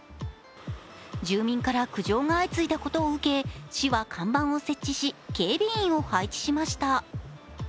住民から苦情が相次いだことを受け市は看板を設置し警備員を配置しました。